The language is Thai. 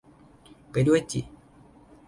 ไปด้วยจิ